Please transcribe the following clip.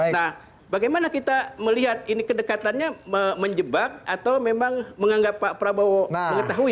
nah bagaimana kita melihat ini kedekatannya menjebak atau memang menganggap pak prabowo mengetahui